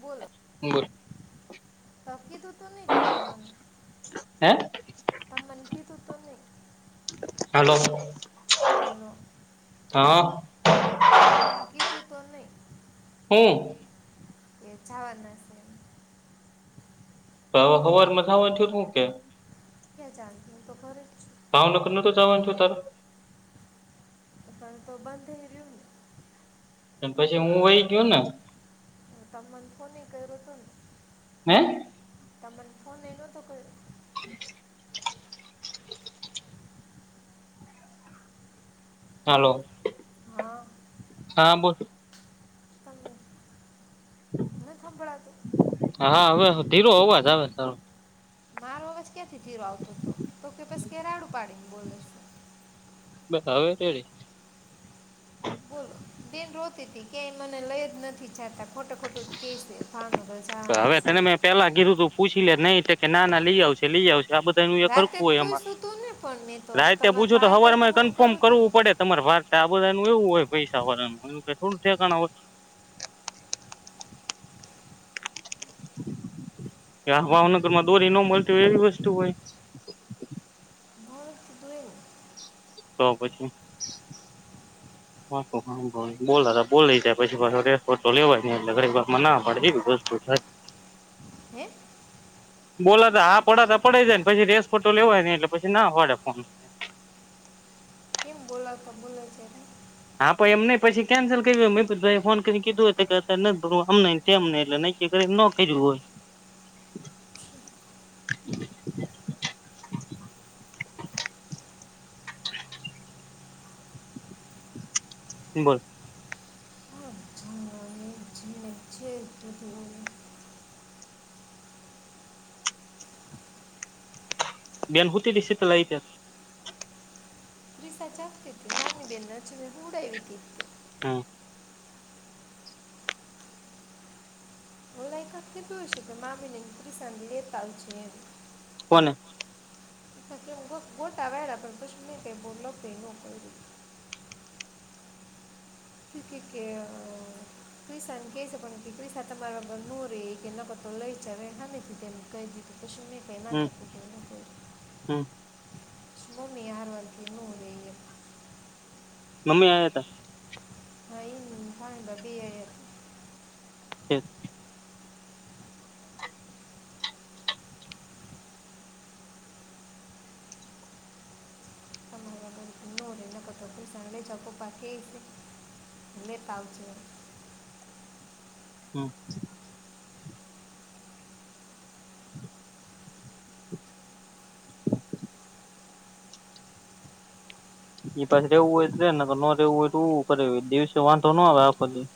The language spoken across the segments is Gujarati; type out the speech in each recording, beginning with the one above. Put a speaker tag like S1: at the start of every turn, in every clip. S1: કુલ.
S2: બરાબર.
S1: તકી તો ન ચાલે મ.
S2: હે.
S1: પણ મનખીત તો નહીં.
S2: હલો,
S1: હલો
S2: હા.
S1: તો મન ખીત તો નહીં.
S2: હમ.
S1: એ જવાનું.
S2: તો હવાર મથું કે.
S1: ચ તોરે.
S2: ભાવનગર ન તો જાવાનુ છે, તાર.
S1: ત તો બંધઈં.
S2: પછી હું વહી ગયો ને.
S1: તમને કોને કરિયો તો ને.
S2: હૈ.
S1: તમન ફોન મેં નતો કર્યો
S2: [inaudible] હલો.
S1: હા.
S2: હા બોલો. [inaudible]
S1: નથ હભડાતું
S2: હા હવે ધીરો અવાજ આવે હે તારો
S1: મારો અવાજ ક્યાંથી ધીરો આવતો હતો તો કે પસ રાડું પાડીને બોલે છે
S2: બસ હવે રેડી
S1: બોલ બેન રોતીતી કેય મને લઈ જ નથી જાતા ખોટે ખોટુ કેસે ભાવનગર જવાની
S2: હવે
S1: છે
S2: તને મેં પેલા કીધું તું પૂછી લે નહી કે ના ના લઈ આવશે લઈ આવશે. આ બધા નુ એક
S1: રાતે
S2: હરખું
S1: જ
S2: હોય એમાં
S1: પૂછ્યું તું ને પણ મેં તો
S2: રાયતે
S1: તમારા
S2: પૂછો તો
S1: ભાઈ
S2: હવાર
S1: તરફ
S2: મા
S1: ફોન
S2: કન્ફર્મ
S1: કર્યો તું
S2: કરવું
S1: ને
S2: પડે. તમારે વારતે આ બધા એવું હોય પૈસા વારણનું એ કે થોડું ઠેકાનું હોય. ભાવનગરમાં દોરી નો મળતી હોય એવી વસ્તુ હોય
S1: મારું કીધું એમ
S2: તો પછી હ હા ભાઈ બોલા બોલી જાય પછી પાસો રેસપો લેવાય ન એટલે ગળી વારમાં ના પાડે એવી વસ્તુ થાય
S1: હે
S2: બોલાતા હા પડાતા પડે જાય ને પછી રેસોટો લેવાય ને એટલે પછી ના પાડે ફોન
S1: કેમ બોલા તો બોલાઈ જાય
S2: હા પણ એમ નઈ પછી કેન્સલ કરયુ હોય મે ફોન કરીને કીધું હોય [unintelligible] તેમને એટલે નકી કરીને નો કરયુ હોય [inaudible] બોલ
S1: [unintelligible] જને જ [unintelligible]
S2: બેન હુંતી તી શીતલ આઈ ત્યારે
S1: દીસા જાગતી તી નાની બેહેન ને જ હુવડાવી હતી તે
S2: હમ્મ.
S1: ઓલા એકાદ કીધું હશે કે મામીને કસાજ ને લેતા આવજો એમ
S2: કોને
S1: સચ ગોટ વેરા [unintelligible] કે [unintelligible] ક્રિસન કેસે પણ ક્રિસસા મા નો રે એક કે નકત [unintelligible] કંઈ દી તશે મે
S2: હમ્મ હમ્મ.
S1: પછી મમ્મી હારૂ વરગ નો રેય
S2: મમ્મી આયા તા?
S1: હ ઈ ને ફઈ બા બે આયા તા
S2: [unintelligible]
S1: [unintelligible] લે જાય પપા કેસે લેતા આવજો એમ
S2: હમ્મ. એ પાછું રહેવું હોય તો રે ને ન રહેવું હોય તો કરે દિવસે વાંધો નો આવે આખો દી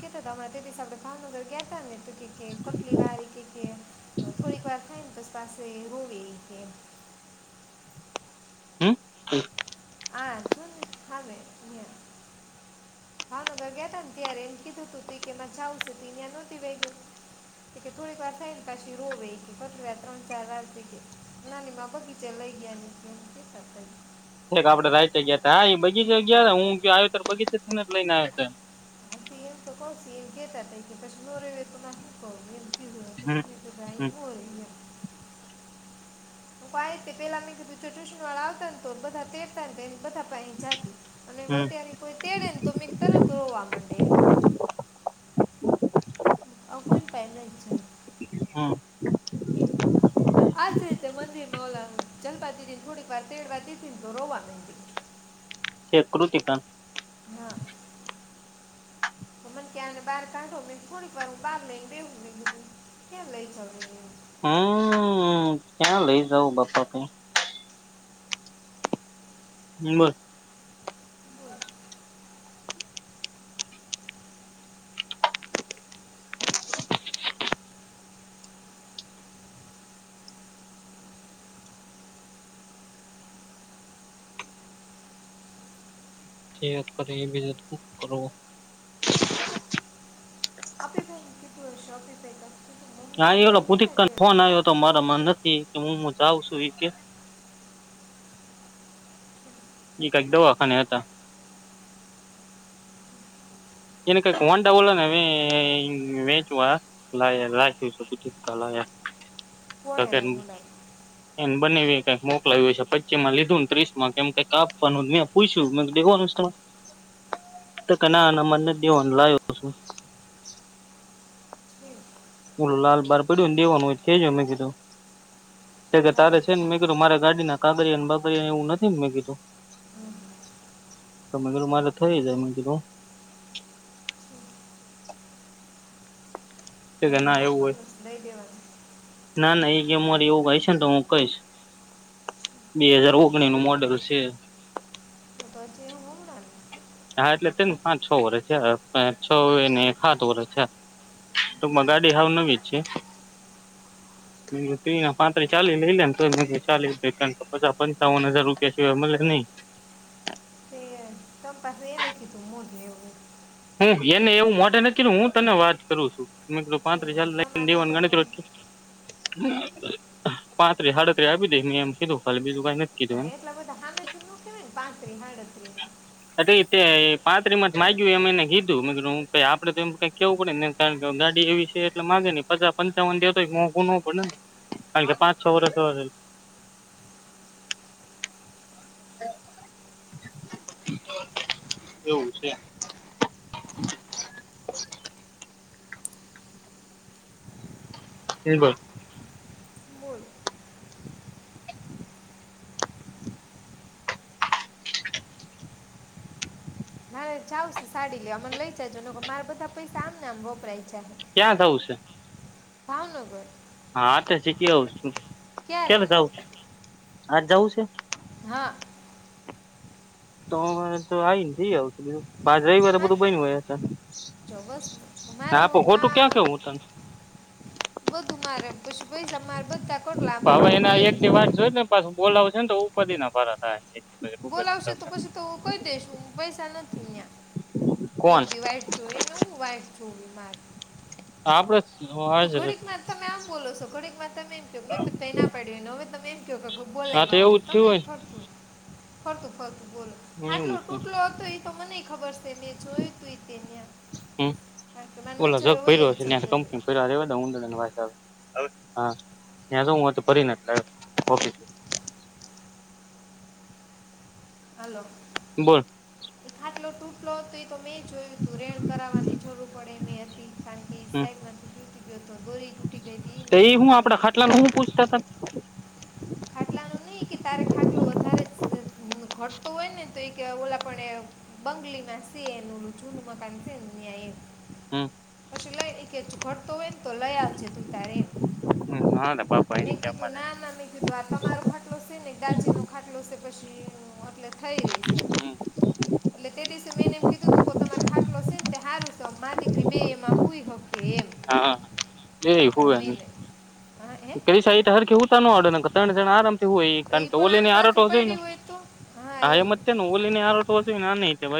S1: કે હતા તમારા તે હિસાબે કાણોદર ગયા તાને કેટલી વારી કે કે થોડીક વાર થાય ને પસ પાસે રોવે કે
S2: હમ્મ હમ્મ.
S1: આજ હા મે [unintelligible] ભાવનગર ગયા હતા ને ત્યા એમ કીધું હતું તું કેમાં જ આવશે ત્યાં નહોતી વે ગઈ કે થોડીક વાર સાઈડ કશી રોવે કે પસવ્યા ત્રણ ચાર વાજ છે કે નાની માં બગીચે લઈ ગયા.
S2: ઠ આપે રાઈ જગ્યા હા એ બગીચ જગ્યા હું આવ્યો ત બગીચ જ ને જ લઈને આવ્યો છે [unintelligible]
S1: હાથી તો ગે પછ દોરે વ ના
S2: હમ
S1: [unintelligible]
S2: હમ
S1: ટાઈંગ હો રહી છે. પા પેલા મેં કીધું ટ્યુશન વાળા આવતા, તોડ બધા પરતા ને. બધા પાસે જાતી અને
S2: હમ
S1: ત્યારે કોઈ તેડે ને, તો મેં તરત રોવા માંડે એમ. અ કોઈ પહેલા જ.
S2: હમ
S1: આજ રીતે મંદિર માં ઓલા જલપાતીને, થોડીક વાર તેડ વારને રોવા ન.
S2: જે કૃતિકન.
S1: ના. મને ક્યાંને બહાર કાઢો, મે થોડીક વાર હ બહાર લઈને બેેવું લીધું, કેમ લઈ જઉ.
S2: હમ, ક્યાં લઇ જાવં બાપા કઈ. હ બ.
S1: બોલો
S2: ત કર એ કરો.
S1: અ આપ બે કતિ વર્ષો અ આપ પઈટું.
S2: હા, એલો પુતિક ફોન આવ્યો હતો, મારામાં નથી કે, હું જાઉં છું એ. એક ક એક દોવાખાને હતા. એ કે કોનન્ટવલોને મેચવા. રાય રાખ્યું છે,
S1: કોણે રે
S2: બધું.
S1: મુલાઈ
S2: એને બનેવી કઈક મોકલાયું હ છે, પચી માં લીધું ને, ત્રીસમાં કઈ આપવાનું. બુઈ છું, વાનું તમામાં.
S1: હ.
S2: તો કના અને મનને દવલા આવ્યો છું. ઓ લાલ બાર પડીયું ને, દેવાનું હોય, કે જ મેમે કીધું. કે
S1: બહાર
S2: તારે છે ને, મેં કીધું મારે ગાડી ના કાદરિયાને, બારિયા એવ નથી, મેં કીધું.
S1: હમ.
S2: તમે કલું મારે થઈ જાય, મ કલું. કે
S1: તો એને
S2: ના એવું હોય,
S1: રાખવાનું છે, દઈ દેવાનું
S2: ના, ના, એ ગેમ મારી એવું કાય છે ને, તો હું કઈશ. બે હાજાર ઓગણી નું મોડેલ છે.
S1: તો જે હુંમના.
S2: હા, એટલે તે ને પાંચ-છ વર્ષ છે, છ ને સાત વર્ષ છે. ક મગાડી હાવ નવી જ છે.
S1: [unintelligible]
S2: તીના પાંત્રીસ-ચાલીસ લઈ લેને, તો પચાસ-પંચાવન હજાર રૂપિયા સિવાય મળે નહીં.
S1: તે ત પસે એને કે તું મો લવગ [unintelligible]
S2: હું એને એવું મો નથી, હું તને વાત કરું છું, મિત્રો,
S1: કે
S2: પાંત્રીસ લઈને
S1: તમારે ન
S2: દેવા ગણ.
S1: કરવું
S2: પાંત્રીસ-સાડત્રીસ આવી દે, મે એમ કીધું, ખાલી બીજું કઈ નથી. કીધું
S1: એટલા બધા હાડ માં, કેવાય ને, પાંત્રીસ-હાડત્રી.
S2: એટ પાત્ર રિમત માંગ્યું એને. કીધું, મિત્ર, હું કઈ આપડે તો એમ કઈ કેવું પડે ને, કારણ કે ગાડી એવી છે, એટલે માગે નઈ પચાસ. પંચાવન દેતો મો ન પડે ને, કારણ કે પાંચ-છ વર્ષ. એવું છે. હેમા?
S1: બોલ હરે જાાવ સાડી લેવા, મને લઈ જજે, મારા બધા પૈસા આમને આમ વપરાય છે.
S2: ક્યાં જવું છે?
S1: ભાવનગર.
S2: હા, તો જીખી આવશું,
S1: ક્યારે
S2: કેયારે જઉું? આજ જવું છે?
S1: હા.
S2: તો અરે તો આવીને જઈ આવ છુ, બધું બાજ રવ વાર
S1: હા
S2: બધું બઈ હોયા હતા.
S1: જો બસ મારે
S2: હા, તો
S1: હું
S2: ખોટું ક્યાં
S1: કા
S2: કેવું તને.
S1: બધું મારે પશ પૈસા માર બધા કોટલાક
S2: હવે
S1: બે.
S2: એના એક દી વાત જોય [unintelligible] પાસું બોલાવું છેને તો ઉપાદી ના પાડત. હા [unintelligible]
S1: બોલાવશે તો પછી તો હું કઈ દઈશ પૈસા નથી અહીંયા. એક
S2: કોણ
S1: દી વાઇટ જોઈ ને હું વાઇટ જોઈ [unintelligible]
S2: આપણે
S1: તો ઘોડીકમાં તમે આમ બોલો છો ઘડીકમાં તમે એમ [unintelligible] ના પાડ્યુંને હવે તમે એમ ક્યો બો
S2: હા તો
S1: બોલાવ્યા હોય.
S2: એવું જ થયું
S1: તમે ફરતું ફરતું ફરતું બોલો
S2: ને
S1: આટલો
S2: એવું છે
S1: ટૂટલો હતો એ તો મને ખબર સે. તેને જોયું તું તે
S2: હમ
S1: [unintelligible] જર
S2: ઓલા જગ
S1: વય હોય જ
S2: ભર્યો છે
S1: જાય બધું.
S2: [unintelligible]
S1: હાલો.
S2: બોલ.
S1: ખાટલો તૂટલો તે તો મેં જોયું તું રેણ કરાવવાની જરૂર પડે એમ અતિ કારણ કે
S2: હમ
S1: ઈશાએ [unintelligible] તો ગોરી ટૂટી ગઈ હતી ઈ મને ખબર.
S2: હમણાં ખટલા માં હું પૂછતા હતા?
S1: [inaudible] ખાટલા નું નઈ કે તારે ખાટલો વધારે ઘટતો હોય ને તો એ ઓલા પણે બંગલીમાં સીએ [unintelligible] જુનું મકાન છે ન્યાય એમ.
S2: હમ્મ.
S1: સિલાઈ એ કે [unintelligible] તો લયાજ તું તારે
S2: હા ને બાપા
S1: મેં
S2: એની
S1: કીધું
S2: અમારે
S1: ના ના મેં કીધું આ તમારો ખાટલો છે ને ડાચી નો ખાટલો છે પછી એટલે થઈ રહીશ એ. [inaudible] એટલે તે દિવસે મેંને એમ કીધું તું કે તમારો ખાટલો સેમ તે હારું સ મા દીકરી બે એમાં હુઈ હક
S2: હા એ હુએ
S1: મેં એને, હા હે
S2: કઈ સાઇટ હરકી હુત ને ત્રણ જણ આરામથી હોય એ
S1: તો
S2: કારણ કે
S1: પણ
S2: ઓલી
S1: આન
S2: ની
S1: માથે
S2: આરોટો જોય ને
S1: પડી હોય તો હા
S2: હ એમ છે ને ઓલી ની આ.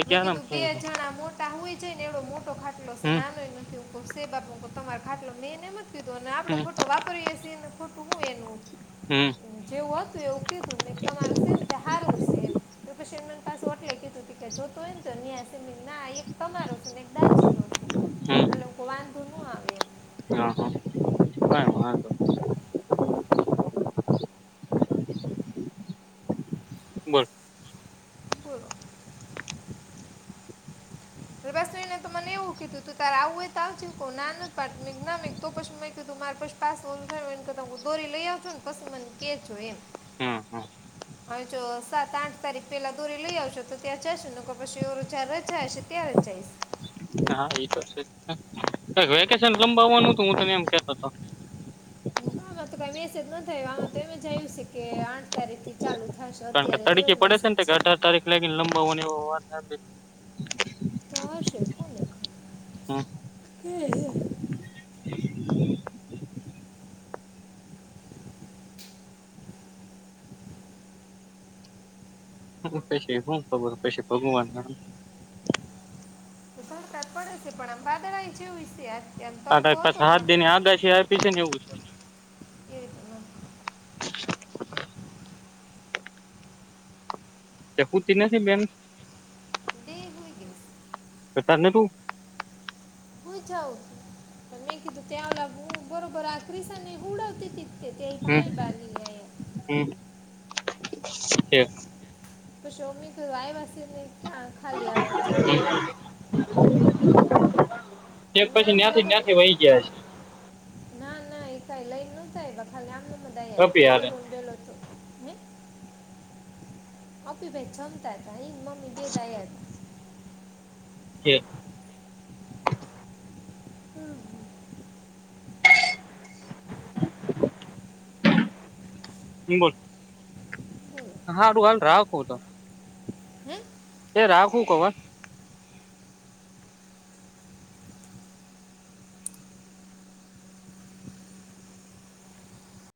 S1: મેં કીધું બે જણા મોટા હોય જાય ને એવડો મોટો ખાટલો છે
S2: હમ
S1: નાનોય નથી. તો સે બાપ તમારે ખાટલો મેન એમ જ કીધું અને આપડે
S2: હમ
S1: ખોટો વાપરીએ છીએને ખોટું હું એનું.
S2: હમ્મ.
S1: જેવું હતું એવું કીધું મેને તમારું સે ને તે સારુ છે એમ. તો શન પાસે ઓટલે કીધું પી કે જોતું હોય તો ન્યા. ના એક તમારો છે ને એક દાજી નો છું એટ હ વાંધો ન આવે એમ.
S2: [unintelligible] નઈ બોલ
S1: બોલો.
S2: [inaudible]
S1: [unintelligible] તો મને એવું કીધું તું તારે આવું હોય તો આવજે ક ના ન પાડતી તો પછી મે તું મારે પછી પાસ ઓળું છે ને એનેતા હું દોરી લઈ આવ છું ને પછ મને કે જો એમ.
S2: હા હા.
S1: હવે જો સાત આઠ તારીખ પેલા દોરી લઈ આવશો તો ત્યાં જશે ને પછી ઓ જાર રજા હશે. ત્યારે જઇશ.
S2: હા એ તો છે વેકેશન લંબાવવાનું હતું હું તને એમ કેતો હતો.
S1: ગ્રુપમાં તો કઈ મેસેજ નથી આવ્યા આમાં તો એમ જ આવ્યું છે કે આઠ તારીખ થી ચાલુ છે. થશે
S2: કારણ કે
S1: અત્યારે તો એવો
S2: તડીકે પડે છે
S1: મેસેજ
S2: ને અઢાર તારીખ લાગીને લંબાવવાની એ વાત હતી.
S1: તો હશે
S2: હમ
S1: [unintelligible]
S2: [inaudible] હ પછી હું ખબર પછી [unintelligible]
S1: તો વરસાદ પડે છે પણ આમ બાદળ એ જેવું છે યાર.
S2: આ એક પાછ હાથ દને આગાછી આપી છે ને એવું છે.
S1: એ રીતે ન.
S2: તેુંતી નથી બેન?
S1: તે હોય ગ [unintelligible]
S2: તારને તું
S1: હુંઈ જાવ તે મે કીધું ત્યાં ઓલા બુ બરોબર આ ક્રિસાને હુડાવતી તી. તે તે
S2: હમ
S1: ભાઈ બંધ [inaudible]
S2: હમ કે.
S1: પછોમી કરવાએ વાસીને ક્યા ખાલી હાથે ચાવ દે.
S2: એક
S1: અને
S2: પછી નાયાથી
S1: આમ લગ્ન
S2: નાયાથી વહી ગયા છે.
S1: ના ના એ થાય લઈને ન થાય ખાલી આમને મ આવ
S2: અભી હારે
S1: ચેલોડેલો છું. હ અપી ભાઈ ચમતા હતા હ મમી ગ દાયાર.
S2: હ [unintelligible]
S1: હમ.
S2: હ બોલ
S1: બોલો
S2: હાડું હાલ રાહ ક તો.
S1: હે
S2: એ રાખવું ક